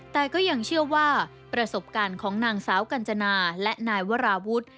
แต่ก็ยังเชื่อว่าประสบการณ์ของนางสาวกัญจนาและนายวราวุฒิ